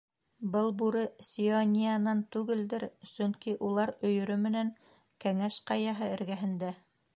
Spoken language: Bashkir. Был бүре Сиониянан түгелдер, сөнки улар өйөрө менән Кәңәш Ҡаяһы эргәһендә.